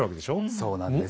そうなんです。